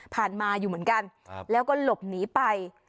ผ่านมาอยู่เหมือนกันครับแล้วก็หลบหนีไป